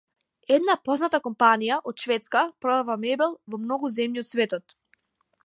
Една позната компанија од Шведска продава мебел во многу земји од светот.